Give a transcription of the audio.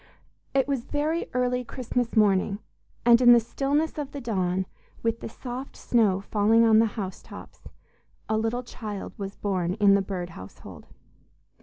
It was very early Christmas morning, and in the stillness of the dawn, with the soft snow falling on the housetops, a little child was born in the Bird household.